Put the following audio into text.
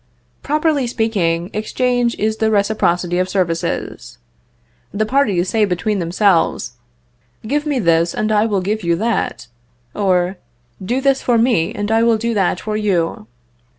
Properly speaking, exchange is the reciprocity of services. The parties say between themselves, "Give me this, and I will give you that;" or, "Do this for me, and I will do that for you."